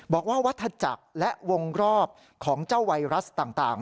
บอกว่าวัฒจักรและวงรอบของเจ้าไวรัสต่าง